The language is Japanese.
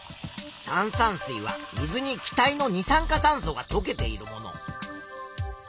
炭酸水は水に気体の二酸化炭素がとけているもの。